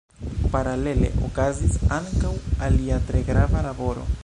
Paralele okazis ankaŭ alia tre grava laboro.